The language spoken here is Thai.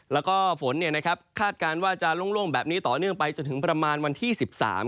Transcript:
แล้วก็ฝนเนี่ยนะครับคาดการณ์ว่าจะโล่งแบบนี้ต่อเนื่องไปจนถึงประมาณวันที่สิบสาม